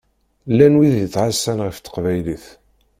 Llan wid yettɛassan ɣef teqbaylit.